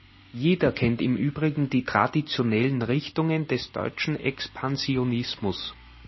Jeder kennt im übrigen die traditionellen Richtungen des deutschen Expansionismus.